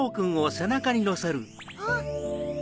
あっ？